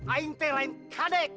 aing teh lain kadek